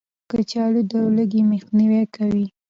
کچالو د لوږې مخنیوی کوي